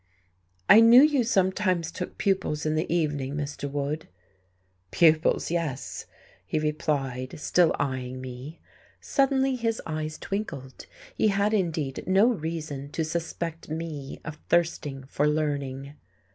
"I knew you sometimes took pupils in the evening, Mr. Wood." "Pupils, yes," he replied, still eyeing me. Suddenly his eyes twinkled. He had indeed no reason to suspect me of thirsting for learning.